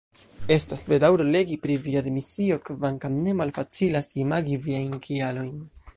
Estas bedaŭro legi pri via demisio, kvankam ne malfacilas imagi viajn kialojn.